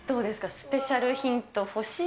スペシャルヒント欲欲しい！